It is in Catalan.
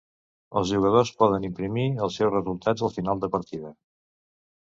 Els jugadors poden imprimir els seus resultats al final de partida.